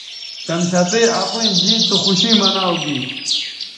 شمشتئ اپئیں جیت سو خوشی مناؤ گی